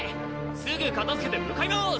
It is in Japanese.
すぐ片づけて向かいまぁす！